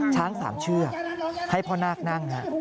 ช้างสามเชือกให้พ่อนาคนั่ง